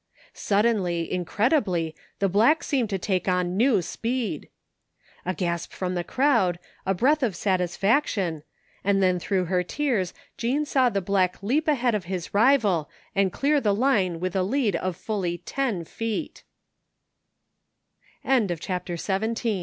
Suddenly, incredibly, the black seemed to take on new speed! A gasp from the crowd, a breath of satisfaction, and then through her tears Jean saw the black leap ahead of his rival and clear the line with a lead of fully ten